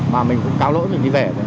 mà mình cũng cáo lỗi mình đi về